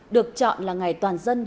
được chọn là ngày toàn dân hiến máu